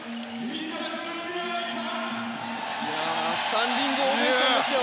スタンディングオベーションですよ！